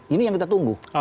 ini yang kita tunggu